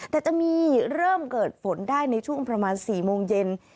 แต่จะมีเริ่มเกิดฝนได้ในช่วงประมาณ๔โมงเย็น